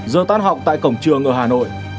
giờ tán học tại cổng trường ở hà nội